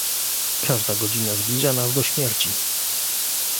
"każda godzina zbliża nas do śmierci!"